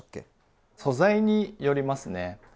素材によりますね。